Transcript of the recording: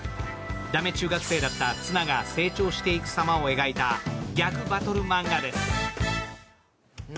駄目中学生だったツナが成長していく様を描いたギャグバトルマンガです。